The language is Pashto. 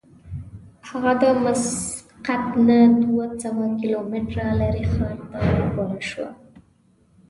هغه د مسقط نه دوه سوه کیلومتره لرې ښار ته غوره شوه.